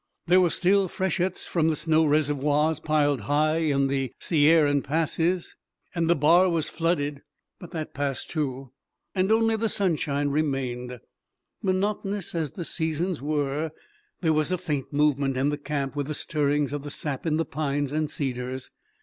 There were still freshets from the snow reservoirs piled high in the Sierran passes, and the Bar was flooded, but that passed too, and only the sunshine remained. Monotonous as the seasons were, there was a faint movement in the camp with the stirring of the sap in the pines and cedars.